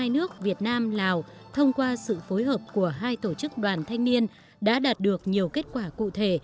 hai nước việt nam lào thông qua sự phối hợp của hai tổ chức đoàn thanh niên đã đạt được nhiều kết quả cụ thể